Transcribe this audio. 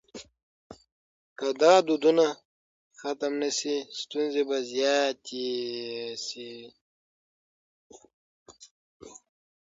که دا دودونه ختم نه سي، ستونزي به زیاتې سي.